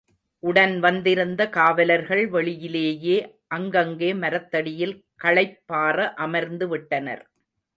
உடன் வந்திருந்த காவலர்கள் வெளியிலேயே அங்கங்கே மரத்தடியில் களைப்பாற அமர்ந்துவிட்டனர்.